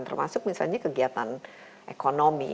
termasuk misalnya kegiatan ekonomi